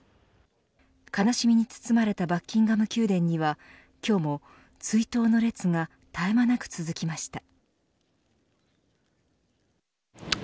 悲しみに包まれたバッキンガム宮殿には今日も追悼の列が絶え間なく続きました。